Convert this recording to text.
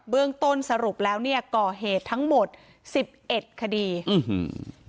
เรื่องต้นสรุปแล้วเนี่ยก่อเหตุทั้งหมดสิบเอ็ดคดีอื้อหือ